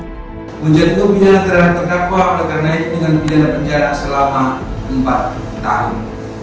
menjadi penjara terdapat berkarenai dengan pindahan penjara selama empat tahun